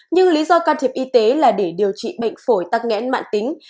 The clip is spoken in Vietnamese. nhưng lý do can thiệp y tế là để điều trị bệnh phổi tắc nghẽn mạng tính